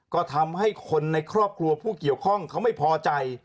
ก็ทำให้คนในครอบครัวผู้เกี่ยวข้องเขาไม่พอใจ